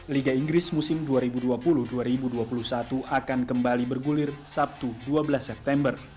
liga inggris musim dua ribu dua puluh dua ribu dua puluh satu akan kembali bergulir sabtu dua belas september